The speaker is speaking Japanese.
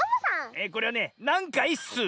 えこれはね「なんかいっすー」。